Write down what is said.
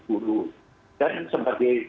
buruk dan sebagai